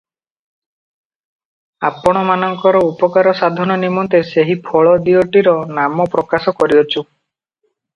ଆପଣମାନଙ୍କର ଉପକାର ସାଧନ ନିମନ୍ତେ ସେହି ଫଳ ଦିଓଟିର ନାମ ପ୍ରକାଶ କରିଅଛୁ ।